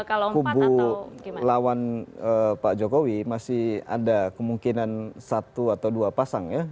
kalau kubu lawan pak jokowi masih ada kemungkinan satu atau dua pasang ya